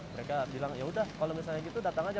mereka bilang ya udah kalau misalnya gitu datang aja